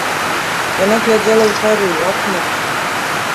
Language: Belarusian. Яна глядзела ўгару, у акно.